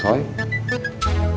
ya aku mau